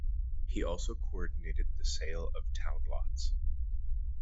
He also coordinated the sale of town lots.